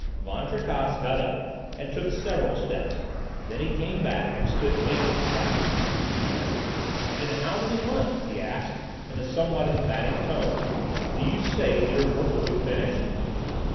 Van Tricasse got up and took several steps; then he came back, and stood facing the doctor. "And in how many months," he asked in a somewhat emphatic tome, "do you say that your work will be finished?"